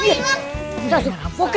udah langsung rampok ya